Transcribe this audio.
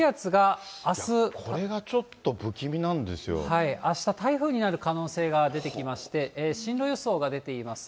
これがちょっと不気味なんであした、台風になる可能性が出てきまして、進路予想が出ています。